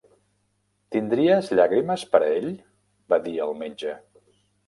"Tindries llàgrimes per a ell?", va dir el metge.